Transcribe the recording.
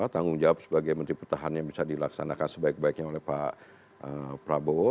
tanggung jawab sebagai menteri pertahanan yang bisa dilaksanakan sebaik baiknya oleh pak prabowo